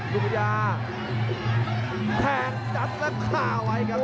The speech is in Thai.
ลุงวิทยาแทงจัดและฆ่าไว้ครับ